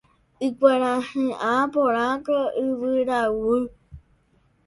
Ikuarahy'ã porã ko yvyraguy.